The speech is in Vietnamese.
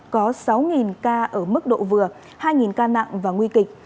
có sáu ca ở mức độ vừa hai ca nặng và nguy kịch